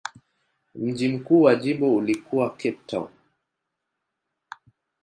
Mji mkuu wa jimbo ulikuwa Cape Town.